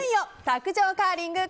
卓上カーリング！